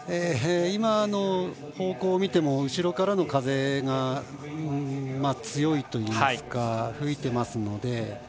今の方向、見ても後ろからの風が強いといいますか吹いてますので。